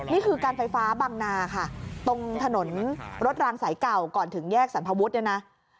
นี่คือการไฟฟ้าบังนาค่ะตรงถนนรถรางสายเก่าก่อนถึงแยกสรรพวุฒิเนี่ยนะ